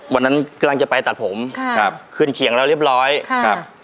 วันนั้นกำลังจะไปตัดผมค่ะครับขึ้นเขียงแล้วเรียบร้อยครับ